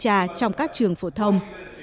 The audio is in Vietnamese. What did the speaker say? đại trà trong các trường phổ thông